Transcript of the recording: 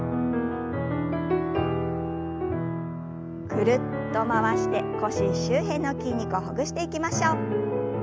ぐるっと回して腰周辺の筋肉をほぐしていきましょう。